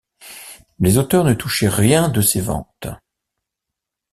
Les auteurs ne touchaient rien de ces ventes.